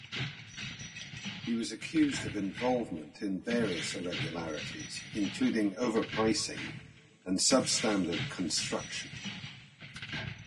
He was accused of involvement in various irregularities, including overpricing and substandard construction.